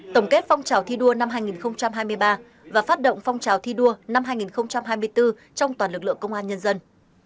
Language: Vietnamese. tổng kết phong trào thi đua năm hai nghìn hai mươi ba và phát động phong trào thi đua năm hai nghìn hai mươi bốn trong toàn lực lượng công an nhân dân